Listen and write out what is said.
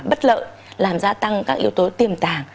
bất lợi làm gia tăng các yếu tố tiềm tàng